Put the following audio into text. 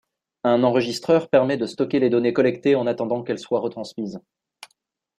Un enregistreur permet de stocker les données collectées en attendant qu'elles soient retransmises.